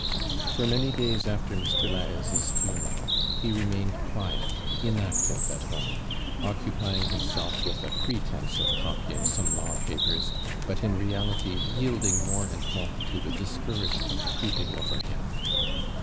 For many days after Mr. I^aliaise's funeral, he remained rjuiet — inactive at kome, occupying liimselt with a preterice of copying some law papers, but in reality yieldmg more and more to the discourage ment creeping over him.